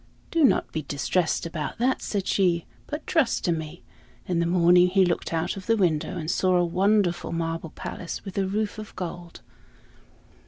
"Do not be distressed about that," said she, "but trust to me." In the morning he looked out of the window and saw a wonderful marble palace, with a roof of gold.